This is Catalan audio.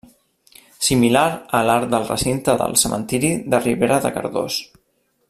Similar a l'arc del recinte del cementiri de Ribera de Cardós.